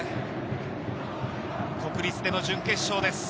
国立での準決勝です。